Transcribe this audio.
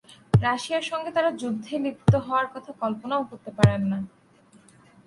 রাশিয়ার সঙ্গে তাঁরা যুদ্ধে লিপ্ত হওয়ার কথা কল্পনাও করতে পারেন না।